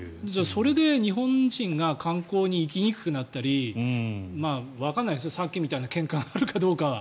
それで日本人が観光に行きにくくなったりわかんないですけどさっきみたいなけんかがあるかどうかは。